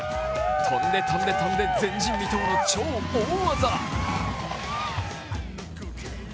飛んで、飛んで、飛んで前人未到の超大技。